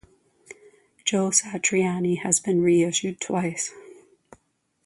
"Joe Satriani" has been reissued twice.